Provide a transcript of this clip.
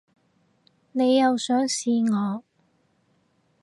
你又想試我